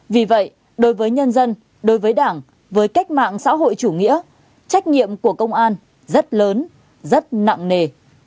vì vậy đối với nhân dân đối với đảng với cách mạng xã hội chủ nghĩa trách nhiệm của công an rất lớn rất nặng nề